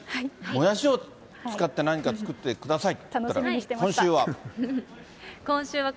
もやしを使って、何か作ってくださいと言ったら、今週は。